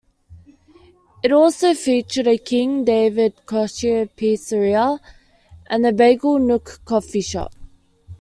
It also featured a King David kosher pizzeria and The Bagel Nook coffee shop.